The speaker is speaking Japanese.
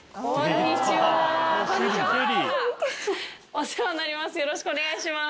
お世話になります